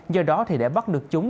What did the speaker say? do đó thì để bắt được chúng